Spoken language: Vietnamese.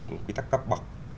nguy tắc cấp bậc